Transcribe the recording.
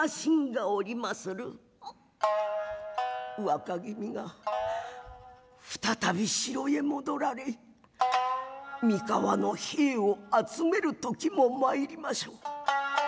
若君が再び城へ戻られ三河の兵を集める時も参りましょう。